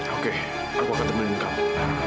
oke aku akan menin kamu